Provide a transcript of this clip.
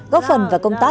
góp phần và công tác